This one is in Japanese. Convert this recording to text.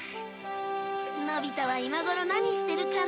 のび太は今頃何してるかな？